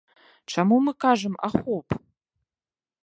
Чаму мы кажам ахоп?